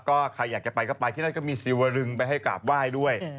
ก็ใครอยากจะไปก็ไปที่นั่นก็มีสิวรึงไปให้กราบไหว้ด้วย